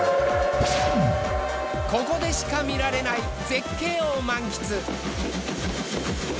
ここでしか見られない絶景を満喫。